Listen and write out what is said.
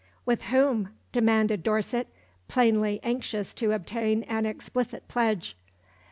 "With whom?" demanded Dorset, plainly anxious to obtain an explicit pledge.